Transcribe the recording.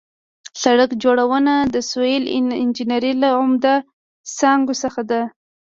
سړک جوړونه د سیول انجنیري له عمده څانګو څخه ده